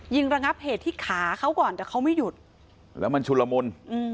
ระงับเหตุที่ขาเขาก่อนแต่เขาไม่หยุดแล้วมันชุลมุน